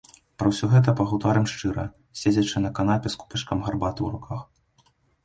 Пра ўсё гэта пагутарым шчыра, седзячы на канапе з кубачкам гарбаты ў руках.